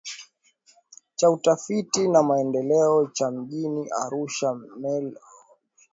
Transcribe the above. cha utafiti na maendeleo cha mjini arusha mel ulwechi